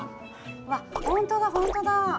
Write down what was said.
わっ本当だ本当だ。